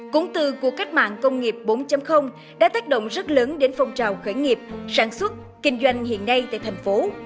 cũng từ cuộc cách mạng công nghiệp bốn đã tác động rất lớn đến phong trào khởi nghiệp sản xuất kinh doanh hiện nay tại thành phố